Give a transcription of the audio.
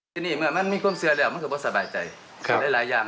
เพราะพวกเขาเคยเป็นภอดศาลมาก